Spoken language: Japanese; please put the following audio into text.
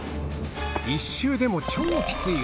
１周でも超きついが。